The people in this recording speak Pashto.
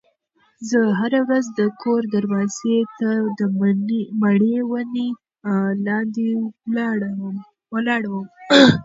زه هره ورځ د کور دروازې ته د مڼې ونې لاندې ولاړه وم.